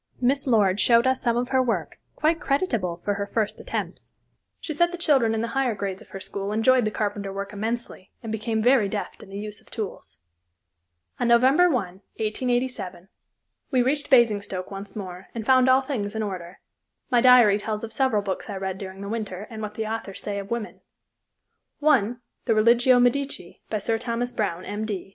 Miss Lord showed us some of her work, quite creditable for her first attempts. She said the children in the higher grades of her school enjoyed the carpenter work immensely and became very deft in the use of tools. On November 1, 1887, we reached Basingstoke once more, and found all things in order. My diary tells of several books I read during the winter and what the authors say of women; one the "Religio Medici," by Sir Thomas Browne, M.D.